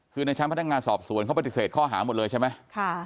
คือในชั้นพนักงานสอบสวนเขาปฏิเสธข้อหาหมดเลยใช่ไหม